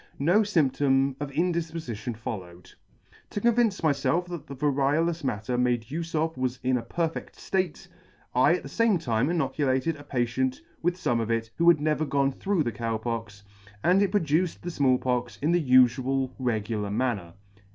No fymptom of indifpofition followed. "To convince myfelf that the variolous matter made ufe of was in a perfedt ftate, I at the fame time inoculated a patient with fome of it who had never gone through the Cow Pox, and it produced the Small Pox in the ufual regular manner."